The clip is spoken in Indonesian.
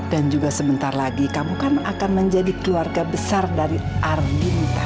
dan juga sebentar lagi kamu kan akan menjadi keluarga besar dari arvinda